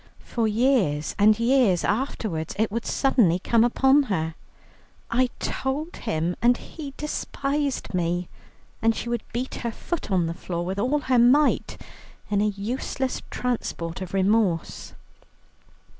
For years and years afterwards it would suddenly come upon her, "I told him and he despised me," and she would beat her foot on the floor with all her might, in a useless transport of remorse.